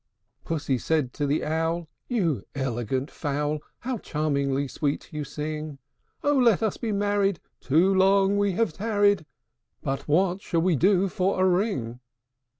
II. Pussy said to the Owl, "You elegant fowl, How charmingly sweet you sing! Oh! let us be married; too long we have tarried: But what shall we do for a ring?"